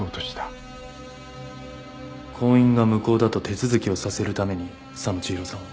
婚姻が無効だと手続きをさせるために佐野千広さんを。